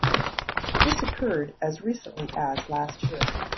This occurred as recently as last year.